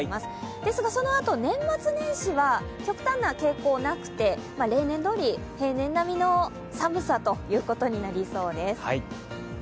ですが、そのあと年末年始は極端な傾向なくて例年どおり平年並みの寒さとなりそうです。